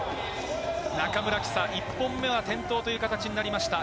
中村貴咲、１本目は転倒という形になりました。